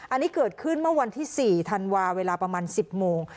อันนี้เกิดขึ้นเมื่อวันที่๔ธันวาเวลาประมาณ๑๐โมง